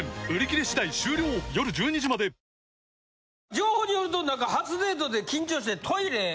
情報によると何か初デートで緊張してトイレ。